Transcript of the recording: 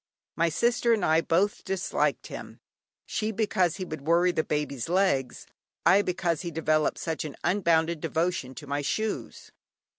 My sister and I both disliked him, she because he would worry the Baby's legs, I because he developed such an unbounded devotion to my shoes.